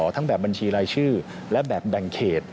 ทั้งแบบบัญชีรายชื่อและแบบแบ่งเขต